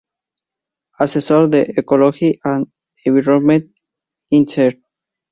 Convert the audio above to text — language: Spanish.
Asesor de Ecology and Environment, Inc.